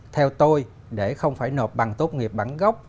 theo tôi để không phải nộp bằng tốt nghiệp bản gốc